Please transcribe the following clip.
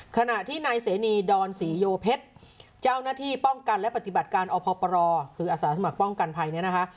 ขณะที่นายเสนีดอนศรีโยเพชรเจ้าหน้าที่ป้องกันและปฏิบัติการอพปรคืออาสาสมัครป้องกันภัยเนี่ยนะคะ